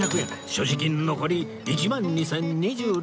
所持金残り１万２０２６円